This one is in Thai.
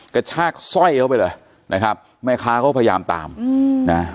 กระชากสร้อยเข้าไปเลยนะครับแม่ค้าก็พยายามตามอืมนะ